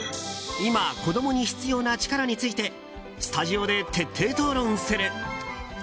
今、子供に必要な力についてスタジオで徹底討論する。